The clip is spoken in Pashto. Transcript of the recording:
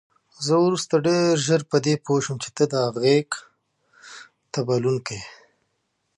زه وروسته ډېره ژر په دې پوه شوم چې ته دا غېږ ته بلونکی.